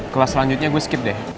kelas selanjutnya gue skip deh